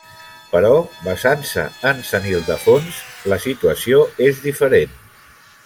Però basant-se en Sant Ildefons la situació és diferent.